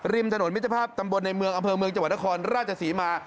ถนนมิตรภาพตำบลในเมืองอำเภอเมืองจังหวัดนครราชศรีมา